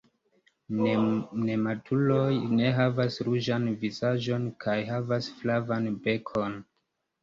Nematuruloj ne havas ruĝan vizaĝon kaj havas flavan bekon.